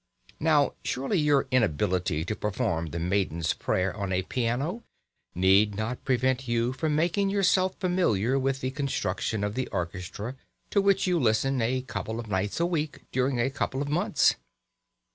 Now surely your inability to perform "The Maiden's Prayer" on a piano need not prevent you from making yourself familiar with the construction of the orchestra to which you listen a couple of nights a week during a couple of months!